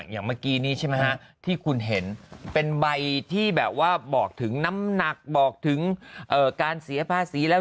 อย่างเมื่อกี้นี้ใช่ไหมฮะที่คุณเห็นเป็นใบที่แบบว่าบอกถึงน้ำหนักบอกถึงการเสียภาษีแล้ว